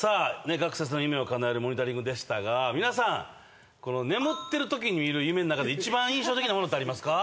学生さんの夢を叶えるモニタリングでしたが皆さん眠ってる時に見る夢の中で一番印象的なものってありますか？